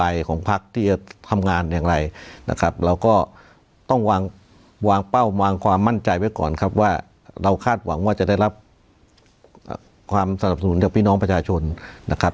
ของพักที่จะทำงานอย่างไรนะครับเราก็ต้องวางวางเป้าวางความมั่นใจไว้ก่อนครับว่าเราคาดหวังว่าจะได้รับความสนับสนุนจากพี่น้องประชาชนนะครับ